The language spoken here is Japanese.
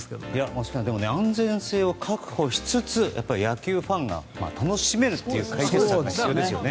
松木さん安全性を確保しつつ野球ファンが楽しめる解決策が必要ですよね。